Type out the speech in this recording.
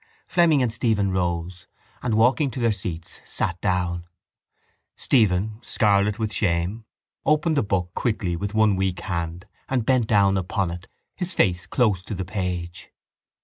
Fleming and Stephen rose and, walking to their seats, sat down. Stephen, scarlet with shame, opened a book quickly with one weak hand and bent down upon it, his face close to the page.